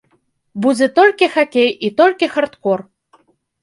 Будзе толькі хакей, і толькі хардкор!